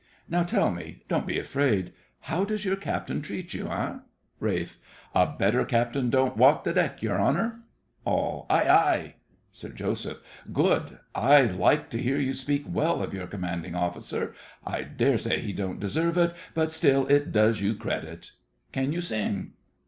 Now tell me—don't be afraid— how does your captain treat you, eh? RALPH. A better captain don't walk the deck, your honour. ALL. Aye; Aye! SIR JOSEPH. Good. I like to hear you speak well of your commanding officer; I daresay he don't deserve it, but still it does you credit. Can you sing?